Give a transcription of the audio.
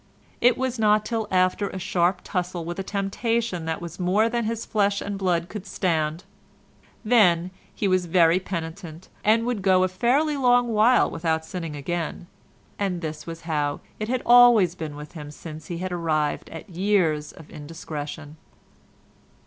—it was not till after a sharp tussle with a temptation that was more than his flesh and blood could stand; then he was very penitent and would go a fairly long while without sinning again; and this was how it had always been with him since he had arrived at years of indiscretion.